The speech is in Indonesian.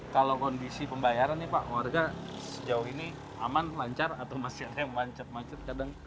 kalau kondisi pembayaran nih pak warga sejauh ini aman lancar atau masih ada yang macet macet kadang